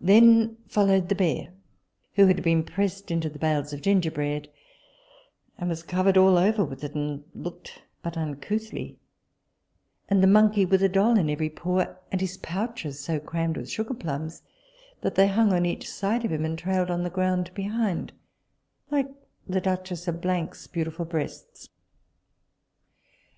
Then followed the bear, who had been pressed to the bales of gingerbread and was covered all over with it, and looked but uncouthly; and the monkey with a doll in every paw, and his pouches so crammed with sugar plumbs that they hung on each side of him, and trailed on the ground behind like the duchess of 's beautiful breasts.